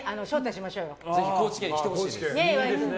ぜひ高知県に来てほしいです。